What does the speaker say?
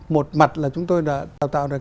một mặt là chúng tôi đã tạo tạo được